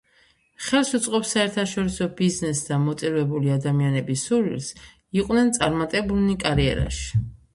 ხელს უწყობს საერთაშორისო ბიზნესს და მოტივირებული ადამიანების სურვილს, იყვნენ წარმატებულნი კარიერაში.